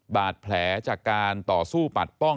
บาดแผลจากการต่อสู้ปัดป้อง